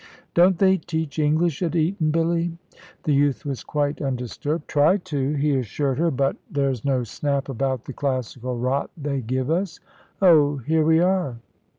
"Don't they teach English at Eton, Billy?" The youth was quite undisturbed. "Try to," he assured her; "but there's no snap about the classical rot they give us. Oh, here we are."